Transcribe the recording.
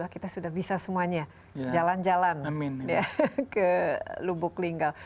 kita sudah bisa semuanya jalan jalan ke lubuk linggau